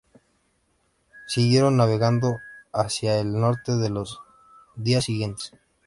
Siguieron navegando hacia el norte los dos días siguientes.